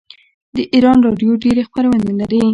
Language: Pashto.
د ایران راډیو ډیرې خپرونې لري.